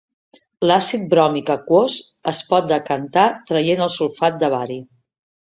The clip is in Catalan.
L'àcid bròmic aquós es pot decantar traient el sulfat de bari.